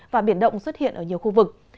và biển động xuất hiện ở nhiều khu vực